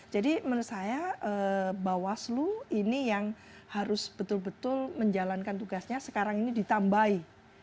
jadi menurut saya bawah slu ini yang harus betul betul menjalankan tugasnya sekarang ini ditambahi